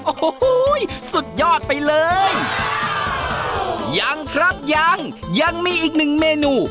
โอ้โหสุดยอดไปเลยยังครับยังยังมีอีกหนึ่งเมนู